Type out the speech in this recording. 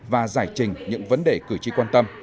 và giải trình những vấn đề cử tri quan tâm